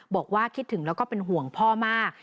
บอกว่าคิดถึงแล้วก็เป็นห่วงพ่อมาก